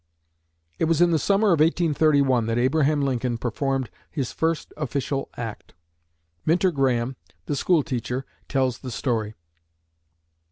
It was in the summer of 1831 that Abraham Lincoln performed his first official act. Minter Graham, the school teacher, tells the story.